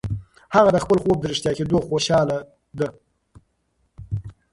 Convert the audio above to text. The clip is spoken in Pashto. هغه د خپل خوب د رښتیا کېدو خوشاله ده.